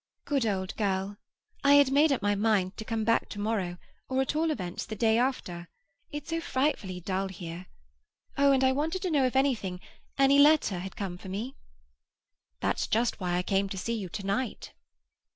"Good old girl! I had made up my mind to come back to morrow, or at all events the day after. It's so frightfully dull here. Oh, and I wanted to know if anything—any letter—had come for me." "That's just why I came to see you to night."